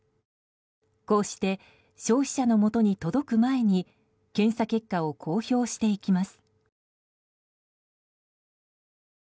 こうして消費者のもとに届く前に検査結果を公表していきます。